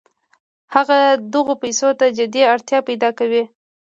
هغه دغو پیسو ته جدي اړتیا پیدا کوي